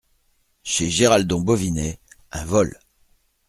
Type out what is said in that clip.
Chez Giraldon Bovinet, un vol.